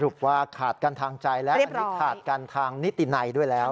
สรุปว่าขาดการทางใจแล้วแล้วขาดการทางนิติในด้วยแล้ว